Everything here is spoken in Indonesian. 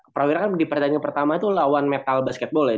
prawira kan di pertandingan pertama itu lawan metal basketball ya